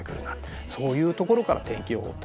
そういうところから天気予報って始まってる。